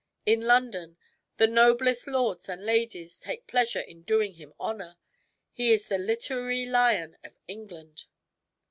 In London, the noblest lords and ladies take pleasure in doing him honor. He is the liter ary lion of England."